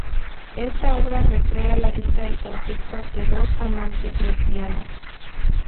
Esta obra recrea la vida y conflictos de dos amantes lesbianas.